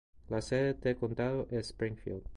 La sede de condado es Springfield.